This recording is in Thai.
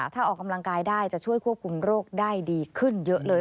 ถ้าออกกำลังกายได้จะช่วยควบคุมโรคได้ดีขึ้นเยอะเลย